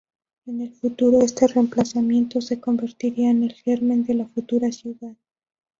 En el futuro, este emplazamiento se convertiría en el germen de la futura ciudad.